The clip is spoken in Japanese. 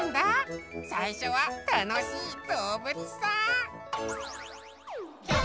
さいしょはたのしいどうぶつさん！